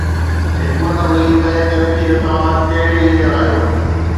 حڪمت عملي طئي ڪري ٿي ته توهان ڪهڙي ليڊر آهيو.